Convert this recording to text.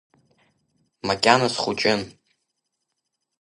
Макьана схәыҷын.